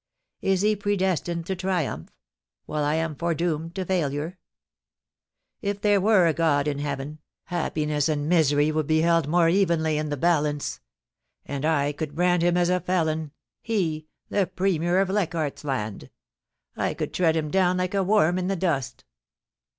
Is he predestined to triumph, while I am fore doomed to failure ? If there were a God in heaven, happiness and misery would be held more evenly in the balance. ... And I could brand him as a felon — he, the Premier of Leichardt's Land. I could tread him down like a worm in the dust